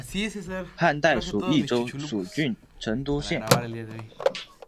汉代属益州蜀郡成都县。